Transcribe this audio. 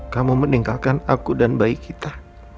kamu meninggalkan aku dan bayi kita